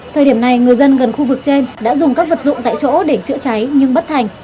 thời điểm này người dân gần khu vực trên đã dùng các vật dụng tại chỗ để chữa cháy nhưng bất thành